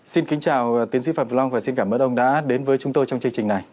xin kính chào tiến sĩ phạm long và xin cảm ơn ông đã đến với chúng tôi trong chương trình này